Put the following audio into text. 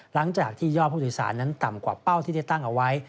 หลังจากที่ยอดผู้โดยสารนั้นต่ำกว่าเป้าที่ได้ตั้งเอาไว้